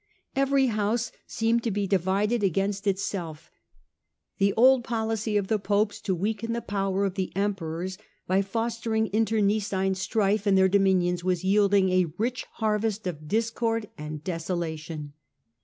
Every house seemed to be divided against itself. The old policy of the Popes, to weaken the power of the Emperors by fostering internecine strife in their dominions, was yielding a rich harvest of discord and desolation.